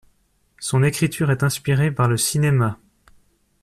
Son écriture est inspirée par le cinéma.